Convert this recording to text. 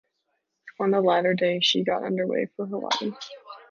On the latter day, she got underway for Hawaii.